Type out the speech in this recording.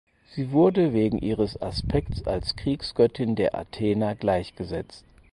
Sie wurde wegen ihres Aspekts als Kriegsgöttin der Athena gleichgesetzt.